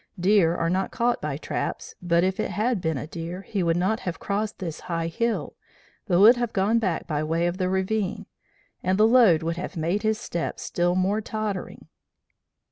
Deer are not caught by traps but if it had been a deer, he would not have crossed this high hill, but would have gone back by way of the ravine, and the load would have made his steps still more tottering.'